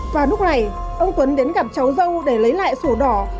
và lúc này ông tuấn đến gặp cháu dâu để lấy lại sổ đỏ